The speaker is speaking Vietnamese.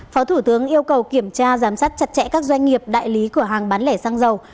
phó thủ tướng yêu cầu kiểm tra giám sát chặt chẽ các doanh nghiệp đại lý cửa hàng bán lẻ xăng dầu